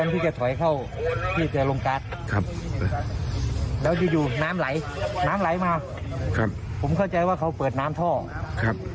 ตอนมาถู้นี้ก็ตีมาเลยครับ